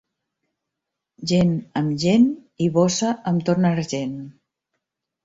Gent amb gent i bossa amb ton argent.